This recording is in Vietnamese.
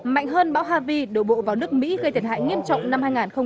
mạnh hơn bão havi đổ bộ vào nước mỹ gây thiệt hại nghiêm trọng năm hai nghìn một mươi chín